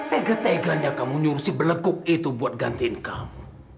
tega teganya kamu nyuruh si belekuk itu buat gantiin kamu